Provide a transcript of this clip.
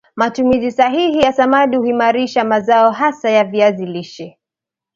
matumizi sahihi ya samadi huimarisha mazao hasa ya viazi lishe